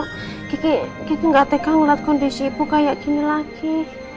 kiki kiki nggak teka ngelihat kondisi ibu kayak gini lagi